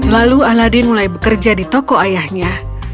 lalu aladin mulai bekerja di toko ayahnya